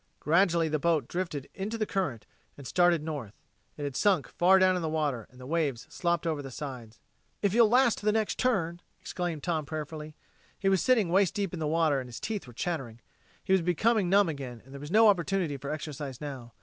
Gradually the boat drifted into the current, and started north. It had sunk far down in the water, and the waves slopped over the sides. "If you'll last to the next turn!" exclaimed Tom prayerfully. He was sitting waist deep in water, and his teeth were chattering. He was becoming numb again, but there was no opportunity for exercise now.